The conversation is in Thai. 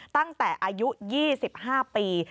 ตั้งแต่อายุ๒๕ปี